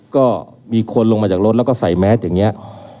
ก็มีคนลงมาจากรถแล้วก็ใส่แมสอย่างนี้